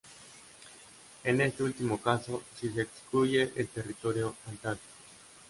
En este último caso, si se excluye el territorio antártico.